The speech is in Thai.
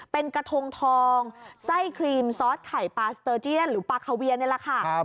เป็นกระทงทองไส้ครีมซอสไข่ปลาสเตอร์เจียนหรือปลาคาเวียนี่แหละค่ะ